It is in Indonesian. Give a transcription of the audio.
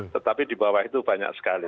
tetapi di bawah itu banyak sekali